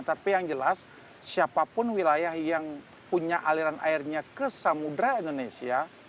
tapi yang jelas siapapun wilayah yang punya aliran airnya ke samudera indonesia